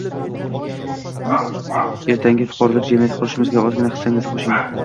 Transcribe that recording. ertangi fuqarolik jamiyati qurishimizga ozgina hissangizni qo‘shing.